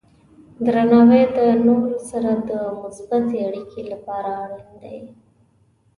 درناوی د نورو سره د مثبتې اړیکې لپاره اړین دی.